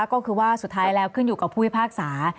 ก็คือว่าสุดท้ายแล้วขึ้นอยู่กับผู้พิพากษา